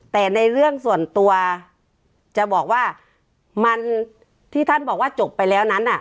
แต่ในเรื่องส่วนตัวจะบอกว่ามันที่ท่านบอกว่าจบไปแล้วนั้น